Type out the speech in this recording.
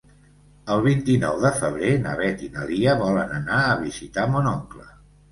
El vint-i-nou de febrer na Beth i na Lia volen anar a visitar mon oncle.